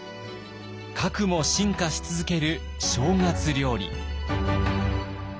かくも進化し続ける正月料理。